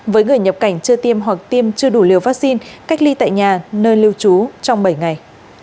với người nhập cảnh chưa tiêm hoặc tiêm chưa đủ liều vaccine cách ly tại nhà nơi lưu trú trong bảy ngày